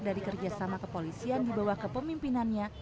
dari kerjasama kepolisian di bawah kepemimpinannya